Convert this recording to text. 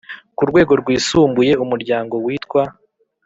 Ku Rwego Rwisumbuye Umuryango Witwa